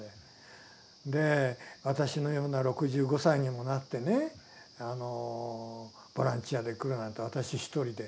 で私のような６５歳にもなってねボランティアで来るなんて私一人で。